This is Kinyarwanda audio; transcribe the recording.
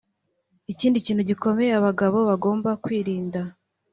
Ikindi kintu gikomeye abagabo bagomba kwirinda